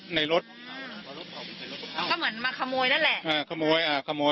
ก็เหมือนมาขโมยนั่นแหละ